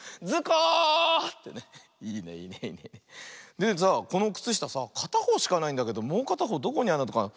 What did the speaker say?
でさあこのくつしたさあかたほうしかないんだけどもうかたほうどこにあるのかな。